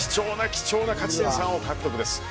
貴重な勝ち点３を獲得です。